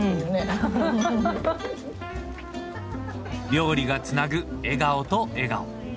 料理がつなぐ笑顔と笑顔。